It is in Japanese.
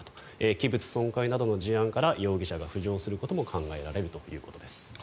器物損壊などの事案から容疑者が浮上することも考えられるということです。